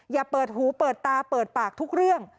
อย่าเปิดหูเปิดตาเปิดปากทุกเรื่อง